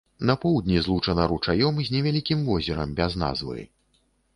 На поўдні злучана ручаём з невялікім возерам без назвы.